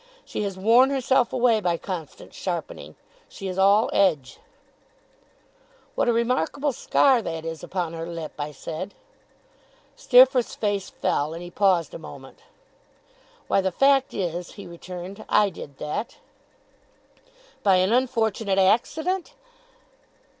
She has worn herself away by constant sharpening. She is all edge.' 'What a remarkable scar that is upon her lip!' I said. Steerforth's face fell, and he paused a moment. 'Why, the fact is,' he returned, 'I did that.' 'By an unfortunate accident!